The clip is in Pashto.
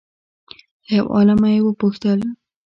له یو عالمه یې وپوښتل